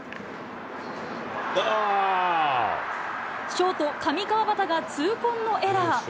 ショート、上川畑が痛恨のエラー。